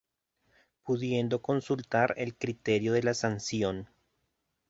Pudiendo consultar el criterio de la sanción.